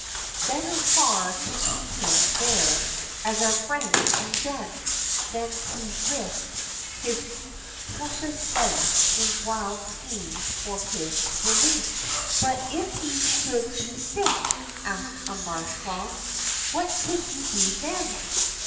Better far to keep him there as our friend and judge than to risk his precious life in wild schemes for his release.'' But if he should be sick ?" asked a marsh frog. What could you do then